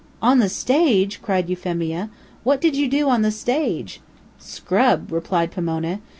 "On the stage!" cried Euphemia. "What did you do on the stage?" "Scrub," replied Pomona.